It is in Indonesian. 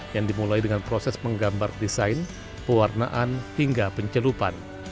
yang dimulai dengan proses menggambar desain pewarnaan hingga pencelupan